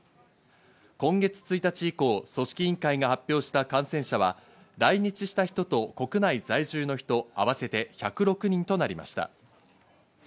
今月１日以降、組織委員会が発表した感染者は、来日した人と国内在住の人、合わせて１０６人となりました。